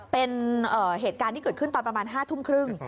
เป็นเหตุการณ์ที่เกิดขึ้นตอนประมาณ๕ทุ่มครึ่ง